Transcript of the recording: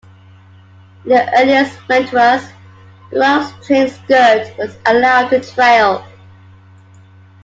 In the earliest mantuas, the long trained skirt was allowed to trail.